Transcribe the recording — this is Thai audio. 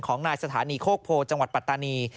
ของนายสถานีโฆภูจังหวัดปัตตานี